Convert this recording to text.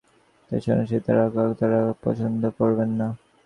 তাঁরা সন্ন্যাসী, তাঁরা টাকাকড়ি ঘাঁটা পছন্দ করবেন না।